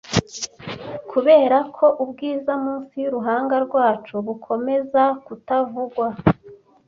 kuberako ubwiza munsi yuruhanga rwacu bukomeza kutavugwa